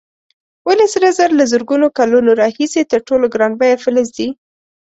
ولې سره زر له زرګونو کلونو راهیسې تر ټولو ګران بیه فلز دی؟